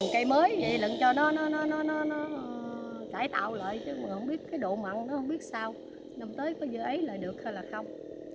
không biết cái độ mặn nó không biết sao lần tới có dưới ấy là được hay là không